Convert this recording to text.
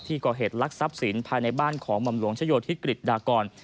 ที่ก่อเหตุลักษณ์ทรัพย์ศีลภายในบ้านของบำรวงชโยธิกฤทธิ์ดากร